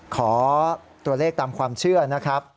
ขอตัวเลขตามความเชื่อนะครับ